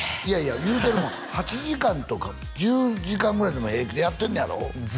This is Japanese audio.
いやいや言うてるもん８時間とか１０時間ぐらいでも平気でやってんのやろ？